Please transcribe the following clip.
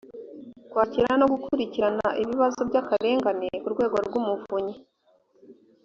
kwakira no gukurikirana ibibazo by akarengane ku rwego rw umuvunyi